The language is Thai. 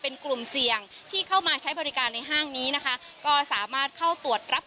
เป็นกลุ่มเสี่ยงที่เข้ามาใช้บริการในห้างนี้นะคะก็สามารถเข้าตรวจรับ